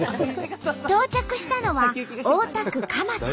到着したのは大田区蒲田。